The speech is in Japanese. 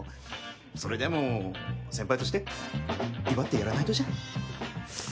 それでも、先輩として祝ってやらないとじゃん。